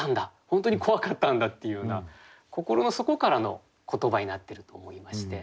本当に怖かったんだっていうような心の底からの言葉になってると思いまして。